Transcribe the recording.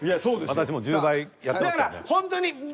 私も１０倍やってますからね。